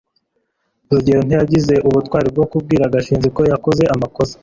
rugeyo ntiyagize ubutwari bwo kubwira gashinzi ko yakoze amakosa